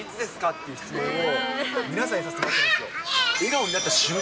いう質問を皆さんにさせてもらってるんですよ。